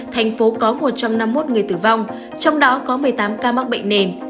thành phố có một trăm năm mươi một người tử vong trong đó có một mươi tám ca mắc bệnh nền